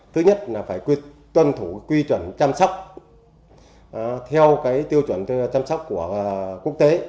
thứ nhất là phải tuân thủ quy chuẩn chăm sóc theo tiêu chuẩn chăm sóc của quốc tế